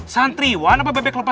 santriwan apa bebek lompat